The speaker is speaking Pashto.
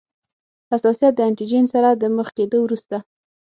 حساسیت د انټي جېن سره د مخ کیدو وروسته.